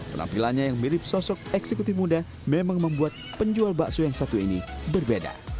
penampilannya yang mirip sosok eksekutif muda memang membuat penjual bakso yang satu ini berbeda